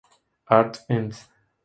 Arts, n.s..